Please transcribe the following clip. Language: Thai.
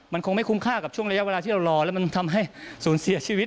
มันคงไม่คุ้มค่ากับช่วงระยะเวลาที่เรารอแล้วมันทำให้สูญเสียชีวิต